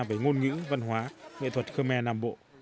về ngôn ngữ văn hóa nghệ thuật khmer nam bộ